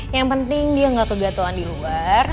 yang penting dia gak kegatuhan di luar